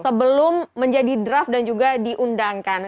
sebelum menjadi draft dan juga diundangkan